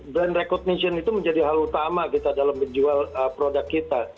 brand recognition itu menjadi hal utama kita dalam menjual produk kita